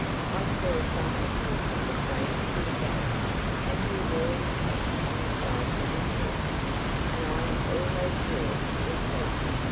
I saw some one who had that same queer gait, and who wore his hat on the side of his head, and I am almost sure it was he.